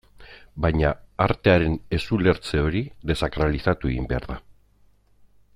Baina, artearen ez-ulertze hori desakralizatu egin behar da.